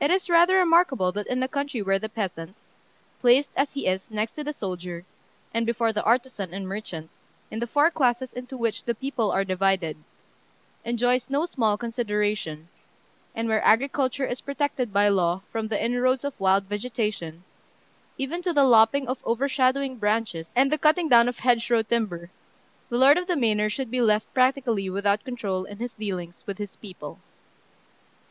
It is rather remarkable that in a country where the peasant placed as he is next to the soldier, and before the artisan and merchant, in the four classes into which the people are divided enjoys no small consideration, and where agriculture is protected by law from the inroads of wild vegetation, even to the lopping of overshadowing branches and the cutting down of hedgerow timber, the lord of the manor should be left practically without control in his dealings with his people.